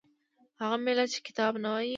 هغه ملت چې کتاب نه وايي